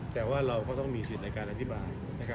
แต่ว่าเราก็ต้องมีสิทธิ์ในการอธิบายนะครับ